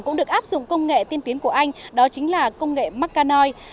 cũng được áp dụng công nghệ tiên tiến của anh đó chính là công nghệ mark canoy